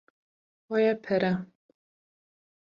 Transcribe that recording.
- Vaye pere.